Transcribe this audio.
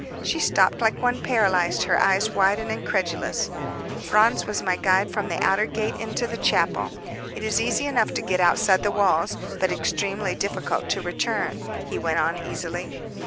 She stopped like one paralyzed, her eyes wide and incredulous. "Franz was my guide from the outer gate into the chapel. It is easy enough to get outside the walls, but extremely difficult to return," he went on easily.